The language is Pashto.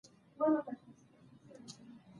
کله چې زده کـوونـکو او زده کړيـالانـو